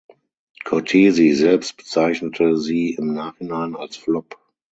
Cortesi selbst bezeichnete sie im Nachhinein als Flop.